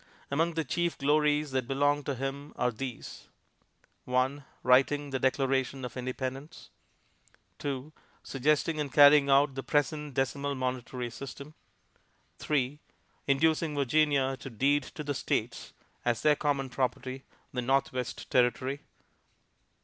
Among the chief glories that belong to him are these: 1. Writing the Declaration of Independence. 2. Suggesting and carrying out the present decimal monetary system. 3. Inducing Virginia to deed to the States, as their common property, the Northwest Territory.